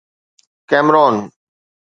Cameron